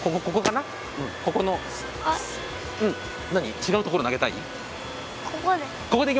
違うところ投げたい？